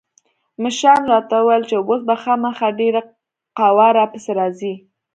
مشرانو راته وويل چې اوس به خامخا ډېره قوا را پسې راسي.